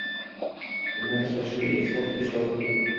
Bundan tashqari shuni esda tutish lozimki